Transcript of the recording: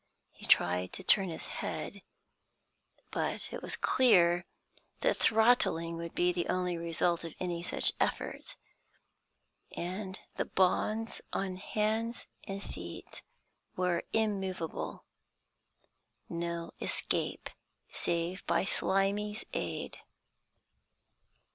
He tried to turn his head, but it was clear that throttling would be the only result of any such effort; and the bonds on hands and feet were immoveable. No escape, save by Slimy's aid.